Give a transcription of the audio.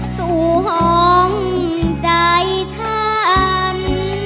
สวงใจฉัน